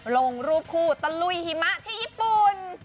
ลงรูปคู่ตะลุยหิมะที่ญี่ปุ่น